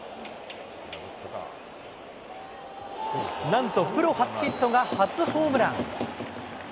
なんとプロ初ヒットが初ホームラン。